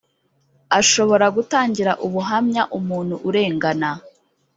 ashobora gutangira ubuhamya umuntu urengana